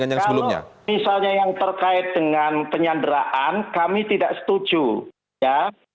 kalau misalnya yang terkait dengan penyanderaan kami tidak setuju ya